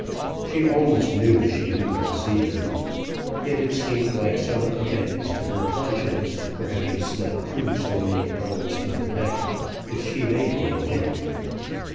She almost knew she could not see him; yet it seemed like some amends to her conscience for having slept through so many hours of the night if she made the attempt.